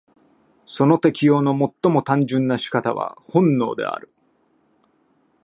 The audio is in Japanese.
その適応の最も単純な仕方は本能である。